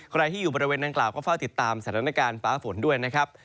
ใครที่อยู่บริเวณนางกล่าวก็เฝ้าติดตามสถานการณ์ฟ้าฝนด้วยนะครับ